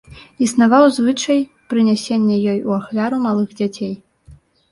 Існаваў звычай прынясення ёй у ахвяру малых дзяцей.